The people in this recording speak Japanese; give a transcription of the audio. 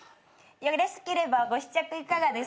よろしければご試着いかがですか？